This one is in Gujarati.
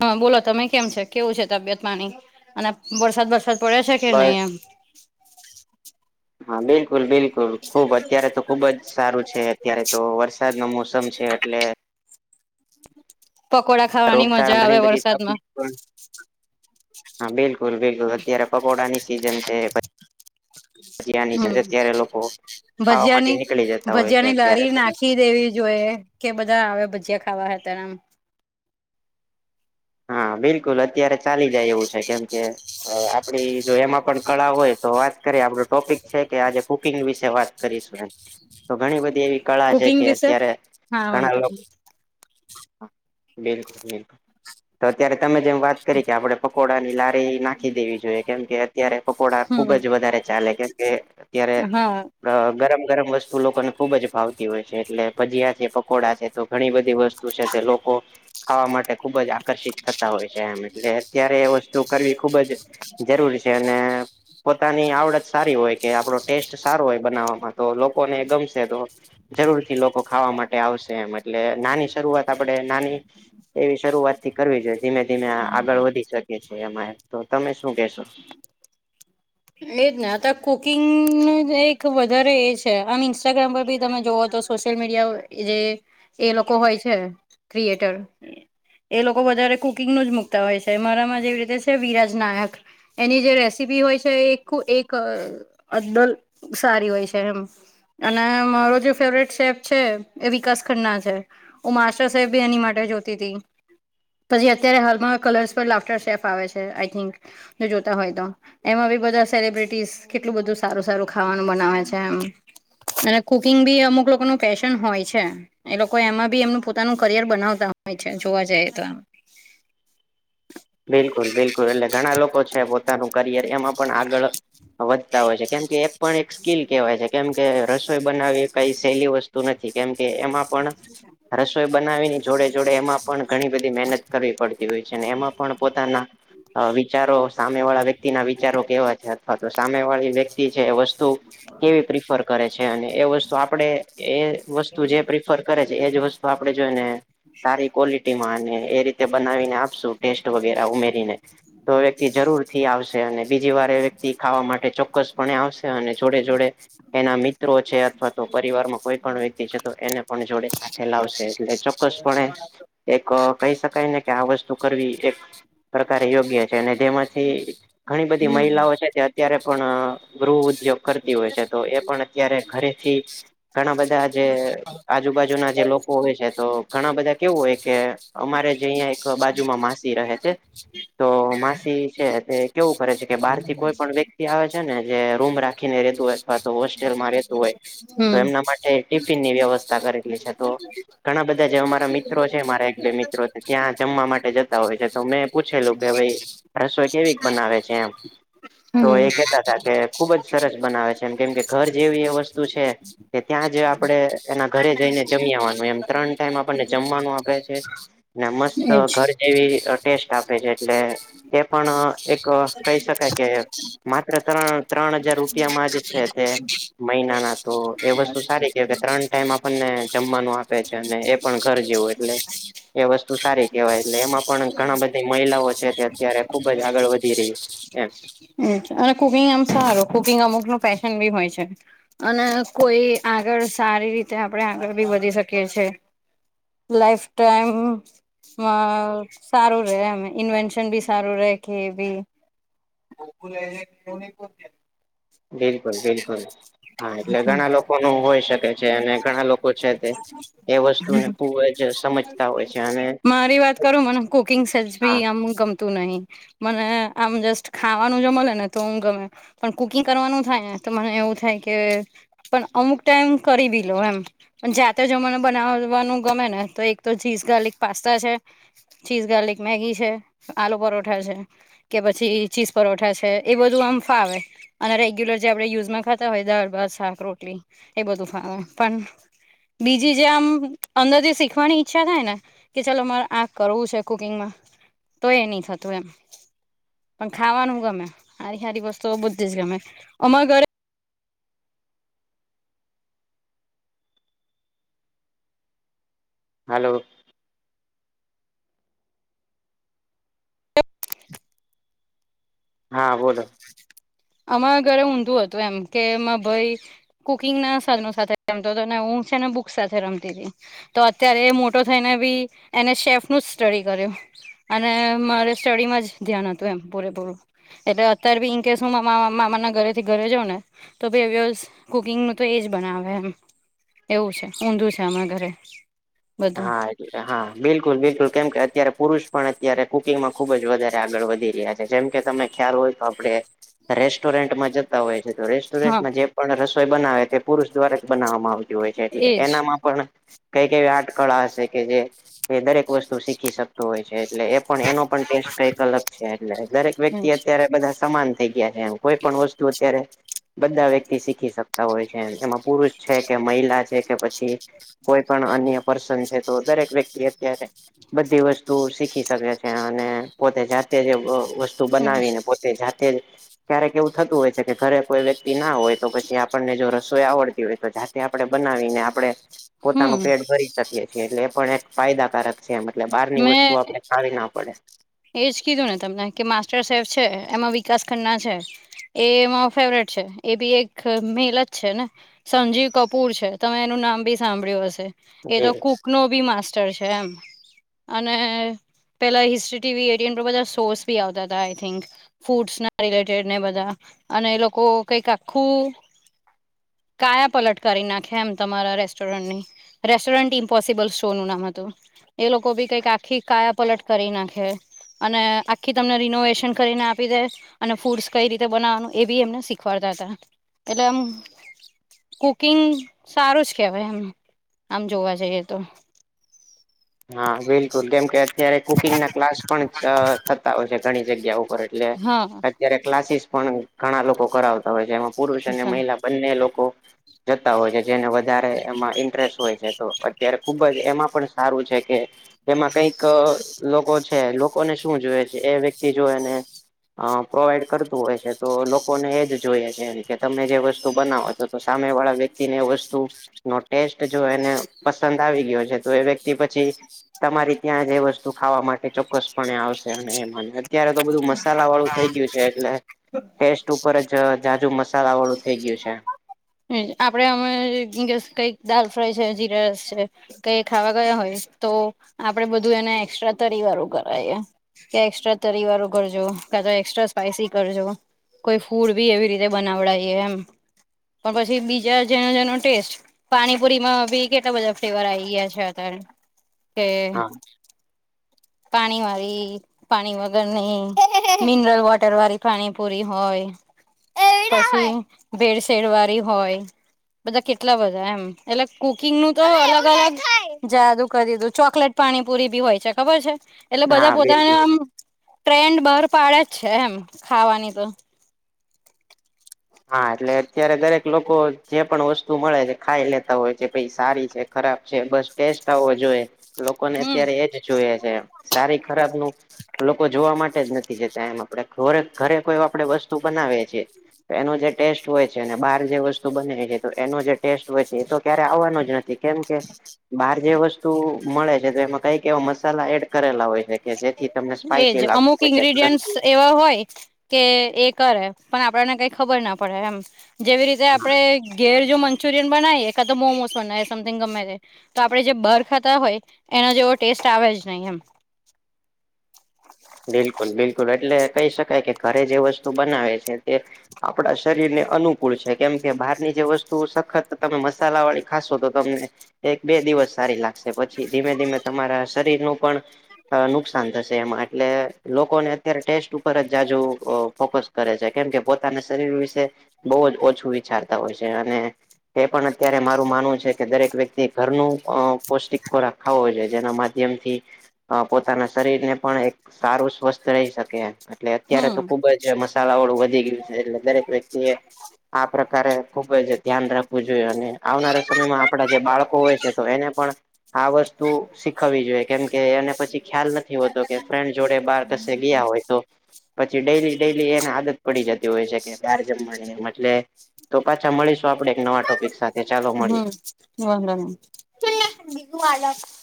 હા બોલો તમે કેમ છે કેવું છે તબિયત પાણી અને વરસાદ વરસાદ પડે છે કે નહી બસ એમ, હા બલકુલ બિલકુલ, ખુબ અત્યારે તો ખુબ જ સારું છે અત્યારે તો વરસાદ નો મોસમ છે એટલે, પકોડા ખાવાની મજા રોગચાળા ઘણી આવે બધી વરસાદમાં, તકલીફ પણ હા બિલકુલ બિલકુલ અત્યારે પકોડા ની સીઝન છે. ભજીયાની છે હમ, અત્યારે લોકો [inaudible] [inaudible] ખાવા માટે ભજયાની નીકળી જતા હોય છે ભજીયાની અત્યારે લારી તો નાખી દેવી જોઈ, કે બધા આવે ભજીયા ખાવા હા તરામ, હા બિલકુલ અત્યારે ચાલી જાય એવું છે કેમ કે, આપડી જો એમાં પણ કળા હોય તો વાત કરીએ આપડું ટોપિક છે કે કુકિંગ વાત કરીશું એમ, [inaudible] [inaudible] [inaudible] તો ઘણી બધી એવી કળા છે કુકિંગ કે વિશે અત્યારે હા ઘણા વાંધો લોકો, બિલકુલ બિલકુલ [inaudible] તો અત્યારે તમે જેમ વાત કરી કે આપડણે પકોડાની લારી નાખી દેવી જોઈએ કેમ કે અત્યારે પકોડા, ખુબ હમ જ વધારે ચાલે કેમ કે અત્યારે, હા ગરમ ગરમ વસ્તુ લોકોને ખુબ જ ભાવતી હોય છે એટલે ભજીયા છે પકોડા છે. તો ઘણી બધી વસ્તુ છે તે લોકો ખાવા માટે ખુબ જ આકર્ષિત, થતા હોય છે એમ એટલે અત્યારે એ વસ્તુ ખુબ જ જરૂર છે અને, પોતાની આવડત સારી હોય કે આપણો ટેસ્ટ સારો હોય બનાવવામાં તો લોકોને ગમશે તો, જરૂર થી લોકો ખાવા માટે આવશે એમ એટલે નાની શરૂઆત આપણેે નાની, એવી શરૂઆત થી કરવી જોઈએ ધીમે ધીમે આગળ વધી શકે છે એમાં તો તમે શું કેશો? એજ ને અત્યારે કુકિંગનું એક વધારે એ છે આમ ઇન્સ્ટાગ્રામ પર બી તમે જોવા તો, સોશિયલ મીડિયા જે એ લોકો હોય છે ક્રિએટર, એ લોકો વધારે કુકિંગનું જ મુકતા હોય છે મારામાં જેવી રીતે છે વિરાજ નાયક, એની જે રેસીપી હોય છે. છે એખુદ એક અદલ સારી હોય છે એમ, અને મારો જે ફેવરેટ શેફ છે એ વિકાસ ખન્ના છે. હું માસ્ટર સાહેબ ભી એની માટે જોતી તી. પછી અત્યારે હાલમાં કલર્સ પર લાફ્ટર શેફ આવે છે આઈ થિક જોતા હોય તો. એમાં બી બધા સેલિબ્રિટીસ કેટલું બધું સારું સારું ખાવાનું બનાવે છે એમ. અને કુકિંગ બી અમુક લોકોનું પેશન હોય છે. એ લોકો એમાં બી એમનું પોતાનું કરિયર બનાવતા હોય છે જોવા જઈ તો. બિલકુલ બિલકુલ એટલે ઘણા લોકો છે પોતાનું કરિયર એમાં પણ આગળ વધતા હોય છે કેમ કે એક પણ એક સ્કીલ કેહેવાય છે કેમ કે રસોઈ બનાવી કઈ સહેલી વસ્તુ નથી કેમ કે એમાં પણ રસોઈ બનાવીને જોડે જોડે એમાં પણ ઘણી બધી મહેનત કરવી પડતી હોય છે એમાં પણ પોતાના અ વિચારો સામે વાળા વ્યક્તિના વિચારો કેવા છે અથવા તો સામે વાળી વ્યક્તિ છે વસ્તુ વસ્તુ કેવી પ્રિફર કરે છે અને એ વસ્તુ આપણે. એ વસ્તુ જે પ્રિફર કરે છે એજ વસ્તુ તો આપણે જોઈ ને સારી ક્વોલિટી માં અને એ રીતે બનાવીને આપશું ટેસ્ટ વગેરા ઉમેરીને તો વ્યક્તિ જરૂર થી આવશે અને બીજી વાર એ વ્યક્તિ ખાવા માટે ચોક્કસપણે આવશે અને જોડે જોડે એના મિત્રો છે અથવા તો પરિવારમાં કોઈ પણ વ્યક્તિ છે તો એને પણ જોડે સાથે લાવશે એટલે ચોક્કસપણે એક કહી શકાય ને કે આ વસ્તુ કરવી એક પ્રકારે યોગ્ય જેમાંથી ઘણી બધી હમ મહિલાઓ છે અત્યારે પણ ગૃહ ઉદ્યોગ કરતી હોય છે તો એ પણ અત્યારે ઘરેથી ઘણા બધા જે આજુબાજુના જે લોકો હોય છે તો ઘણા બધા કેવું હોય કે અમારે જે અહીંયા એક બા બાજુમાં માસી રહે છે તો માસી છે તે કેવું કરે છે કે બહાર થી કોઈ પણ વ્યક્તિ આવે છે ને જે રૂમ રાખીને રેહતું હોય અથવા તો હોસ્ટેલમાં રેહતું હોય તો હમ એમના માટે ટિફિન ની વ્યવસ્થા કરેલી છે તો ઘણા બધા જેવા મારા મિત્રો છે મારા એક બે મિત્રો ત્યાં જમવા માટે જતા હોય છે તો મેં પૂછેલું કે ભાઈ રસોઈ કેવી બનાવે છે એમ તો એ હમ કેતા તા કે ખુબ જ સરસ બનાવે છે એમ કેમ કે ઘર જેવી એ વસ્તુ છે કે ત્યાં જ આપણે એના ઘરે જઈને જમી આવવાનું એમ ત્રણ ટાઈમ આપણને જમવાનું આપે છે [inaudible] ને મસ્ત એજ ઘર જેવી અ ટેસ્ટ આપે છે એટલે એ પણ એક કહી શકાય કે માત્ર ત્રણ ત્રણ હજાર રૂપિયામાં જે છે તે મહિનાના તો એ વસ્તુ સારી કે કે ત્રણ ટાઈમ આપને જમવાનું આપે છે અને એ પણ ઘર જેવું એટલે એ વસ્તુ સારી કહેવાય એટલે એમાં પણ ઘણા બધી મહિલાઓ છે તે અત્યારે ખુબ જ આગળ વધી રહી છે એમ અને કુકિંગ એમ સારું કુકિંગ અમુક નું પેશન બી હોય છે. અને કોઈ આગળ સારી રીતે આગળ બી વધી શકીએ છીએ લાઈફ ટાઈમ વાહ સારું રે એમ ઇન્વેન્શન બી સારું રહેે કે એ બી. [unintelligible] બિલકુલ બિલકુલ હા એટલે ઘણા લોકો નું હોય શકે છે અને ઘણા લોકો છે તે એ વસ્તુને ખુબ જ સમજતા હોય છે અને મારી વાત કરું મને કુકિંગ સહેજ ભી હા આમ ગમ તું નહી મને આમ જસ્ટ ખાવાનું જો મળે ને તો હું ગમે પણ કુકિંગ કરવાનું થાય ને તો મને એવું થાય કે પણ અમુક ટાઈમ કરી બી લઉં એમ પણ જાતે જો મને બનાવવાનું ગમે ને તો એક તો ચીઝ ગાર્લિક પાસ્તા છે. ચીઝ ગાર્લિક મેગી છે, આલુ પરોઠા છે. કે પછી ચીઝ પરોઠા છે. એ બધું આમ ફાવે અને રેગ્યુલર જે આપણે યુઝમાં ખાતા હોય. દાળ, ભાત, શાક, રોટલી એ બધું ફાવે પણ બીજી જેમ અંદરથી શીખવાની ઈચ્છા થાય ને કે ચાલો મારે આ કરવું છે કુકિંગમાં તો એ નહી થતું એમ. પણ ખાવાનું ગમે સારી સારી વસ્તુઓ બધી જ ગમે અમારા ઘરે હાલો હાં બોલો. અમારા ઘરે ઊંધું હતું એમ કે માર ભઈ કુકિંગના સાધનો સાથે રમતો તોને હું છે ને બુકસ સાથે રમતી તી. તો અત્યારે એ મોટો થઈને બી એને શેફનું જ સ્ટડી કર્યું. અને મારે સ્ટડીમાં જ ધ્યાન હતું, એમ પૂરેપૂરું એટલે અત્યારે બી ઇન કેસ હું મામા મામાના ઘરેથી ઘરે જઉને તો [unintelligible] કુકિંગનું તો એજ બનાવે એમ એવું છે ઊંધું છે આમારા ઘરે બધું હા હા બિલકુલ બિલકુલ કેમ કે અત્યારે પુરુષ પણ અત્યારે કુકિંગમાં ખુબ જ વધારે આગળ વધી રયા જેમ કે તમને ખ્યાલ હોય તો આપડે રેસ્ટોરન્ટમાં જ તા હોય છે તો હા રેસ્ટોરન્ટમાં જે પણ રસોઈ બનાવે તે પુરુષ દ્વારા જ બનાવવામાં આવે તે હોય છે એટલે એજ એનામાં પણ કઈ કઈ આર્ટ કળા હશે કે જે એ દરેક વસ્તુ શીખી શક તો હોય છે, એટલે એ પણ એનો પણ ટેસ્ટ કઈક અલગ છે એટલે દરેક વ્યક્તિ એજ અત્યારે બધા સમાન થઈ ગયા છે એમ કોઈ પણ વસ્તુ અત્યારે બધા વ્યક્તિ શીખી શકતા હોય છે એમાં પુરુષ છે કે મહિલા છે કે પછી કોઈ પણ અન્ય પર્સન છે તો દરેક વ્યક્તિ અત્યારે બધી વસ્તુ શીખી શકે છે અને પોતે જાતે જ વ વસ્તુ એજ બનાવીને પોતે જાતે જ ક્યારેક એવું થતું હોય છે કે ઘરે કોઈ વ્યક્તિ ના હોય તો પછી આપણને જો રસોઈ આવડતી હોય તો જા તે આપડે બનાવીને આપડે પોતાનું હમ પેટ ભરી શકીએ છીએ એટલે એ પણ એક ફાયદાકારક છે મતલબ બારની વસ્તુ મેં આપડે ખાવી ના પડે‌ એજ કીધુંને તમને કે માસ્ટર શેફ છે એમાં વિકાસ ખન્ના છે. એ મારો ફેવરેટ છે એ બી એક મેલ જ છે ને સંજીવ કપૂર છે તમે એનું નામ બી સાંભળ્યું હશે. એ જી તો કુકનો બી માસ્ટર છે એમ અને પેલા હિસ્ટ્રી ટીવી એરયન પર બધા શોઝ બી આવતા તા આઈ થિંક ફૂડ્સના રિલેટેડને બધા અને એ લોકો કઈક આખું કાયા પલટ કરી નાંખે એમ તમારા રેસ્ટોરન્ટની રેસ્ટોરન્ટ ઇમ્પોસિબલ શોનું નામ હતું. એ લોકો બી કંઈક આખી કાયા પલટ કરી નાખે. અને આખી તમને રિનોવેશન કરીને આપી દે અને ફૂડ્સ કઈ રીતે બનાવવાનું એ બી એમને શીખવાડતા તા એટલે આમ કુકિંગ સારું જ કેહવાય એમ આમ જોવા જઈએ તો હા બિલકુલ કેમ કે અત્યારે કુકિંગના ક્લાસ પણ થતા હોય છે ઘણી જગ્યાઓ પર એટલે હા અત્યારે ક્લાસીસ પણ ઘણા લોકો કરાવતા હોય છે એમાં પુરુષ અને મહિલા બંને લોકો જતા હોય છે જેને વધારે એમાં ઇન્ટરેસ્ટ હોય છે તો અત્યારે ખુબ જ એમાં પણ સારું છે કે એમાં કંઈક લોકો છે લોકોને શું જુવે છે એ વ્યક્તિ જોવે ને અ પ્રોવાઈડ કરતું હોય છે તો લોકોને એ જ જોઈએ છે કે તમે જે વસ્તુ બનાવો છો તો સામે વાળા વ્યક્તિને એ વસ્તુનો ટેસ્ટ જો એને પસંદ આવી ગયો છે તો એ વ્ય ક્તિ પછી તમારી ત્યાં જ એ વસ્તુ ખાવા માટે ચોક્કસપણે આવશે અને એ મને ત્યારે તો બધું મસાલા વાળું થઈ ગયું છે એટલે ટેસ્ટ ઉપર જ જાઝુ મસાલા વાળું થઈ ગયું છે. આપડે અમણે [unintelligible] કંઈક દાલ ફ્રાય છે જીરા રાઈસ છે. કકઈ ખાવા ગયા હોય તો આપડે બધું એને એક્સ્ટ્રા તરી વારું કરાઈએ. કે એક્સ્ટ્રા તરી વાળું કરજો કાંતો એક્સ્ટ્રા સ્પાઈસી કરજો. કોઈ ફૂડ બી એવી રીતે બનાવડાવીએ એમ. પણ પછી બીજા જેનો જેનો ટેસ્ટ પાણીપુરી માં બી કેટલા બધા ફ્લેવર આવી ગયા છે. અત્યારે હા પાણી વારી પાણી વગર નહીં, મિનરલ વોટર વાળી પાણી પૂરી હોય. પછી ભેળસેડવાળી હોય. બધા કેટલા બધા એમ એટલે કુકિંગ નું તો અલગ અલગ જાદું કરીધું. ચોકલેટ પાણીપુરી બી હોય છે. ખબર છે? એટલે બધા હા બિલકુલ પોતાનું એમ ટ્રેન્ડ બહાર જ છે. એમ ખાવાનો તો હા. એટલે અત્યારે દરેક લોકો જે પણ વસ્તુ મળે છે. ખાઈ લેતા હોય છે. ભઈ સારી છે ખરાબ છે. બસ ટેસ્ટ આવો જોઈએ લોકોને હમ અત્યારે એજ જોઈએ છે. સારી ખરાબ નું લોકો જોવા માટે જ નથી જતા. એમ આપણે ઘરે ઘરે કોઈ આપણે વસ્તુ બનાવીએ છીએ. એનો જે ટેસ્ટ હોય છે અને બહાર જે વસ્તુ બને એનો જે ટેસ્ટ હોય છે. એ તો ક્યારે આવવાનો જ નથી કેમ કે બહાર જે વસ્તુ મળે છે. તો એમાં કઈક એવો મસાલા એડ કરેલા હોય છે કે જેથી તમને એજ સ્પાઈસી લાગતું અમુક હોય છે ઇન્ગ્રીડિયન્ટસ એવા હોય કે એ કરે પણ આપણને કઈ ખબર ના પડે એમ જેવી રીતે આપણે ઘેર જો મન મનચુરિયન બનાવીએ કયા તો મોમોસ બનાવીએ સમથિંગ ગમે તે તો આપણે જે બહાર ખાતા હોય એનો જેવો ટેસ્ટ આવે જ નહી. એમ બિલકુલ બિલકુલ એટલે કહી શકાય કે ઘરે જે વસ્તુ બનાવે છે તે આપણા શરીર ને અનુકૂળ છે કેમ કે બહારની જે વસ્તુ સખત તમે મસાલા વાળી ખાશો તો તમને એક બે દિવસ સારી લાગશે લાગશે પછી ધીમે ધીમે તમારા શરીર નું પણ નુકસાન થશે એમાં એમ એટલે લોકોને અત્યારે ટેસ્ટ ઉપર જ જાજુ ફોકસ કરે છે. કેમ કે પોતાના શરીર વિશે બહુ જ ઓછું વિચારતા હોય છે અને એ પણ અત્યારે મારું માનવું છે કે દરેક વ્યક્તિ ઘરનું પૌષ્ટિક ખોરાક ખાવું જોઈએ જેના માધ્યમ થી પોતાના શરીર ને પણ એક સારું સ્વસ્થ રહી શકે એમ. એટલે અત્યારે તો હમ ખુબ જ મસાલા વાળું વધી ગયું છે. એટલે દરેક વ્યક્તિ એ આ પ્રકારે ખુબ જ ધ્યાન રાખવું જોઈએ અને આવનારા સમયમાં આપણા જે બાળકો હોય છે. તો એને પણ આ વસ્તુ તો શીખવવી જોઈએ. કેમ કે એને પછી ખ્યાલ નથી હોતો કે ફ્રેન્ડ જોડે બહાર કશે ગયા હોય તો પછી ડેલી ડેલી એને આદત પડી જતી હોય છે કે બહાર જમવાની એમ એટલે તો પાછા મળીશું આપણે એક નવા ટોપિકસમાં. હમ. [unintelligible]